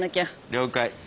了解。